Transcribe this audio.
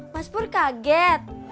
mas pur kaget